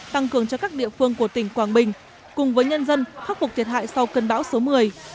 tăng cường cho các địa phương của tỉnh quảng bình cùng với nhân dân khắc phục thiệt hại sau cơn bão số một mươi